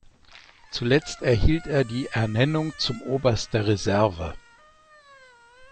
Zuletzt erhielt er die Ernennung zum Oberst der Reserve.